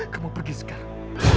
kamu pergi sekarang